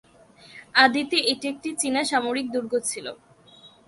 আদিতে এটি একটি চীনা সামরিক দুর্গ ছিল।